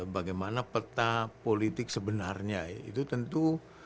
bagaimana peta politik sebenarnya ya itu tentu